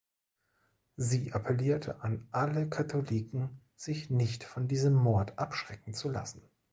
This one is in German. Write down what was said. Sie appellierte an alle Katholiken, sich nicht von diesem Mord abschrecken zu lassen.